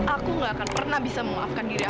aku gak akan pernah bisa memaafkan diri aku